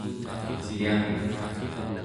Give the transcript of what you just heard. ciyaneq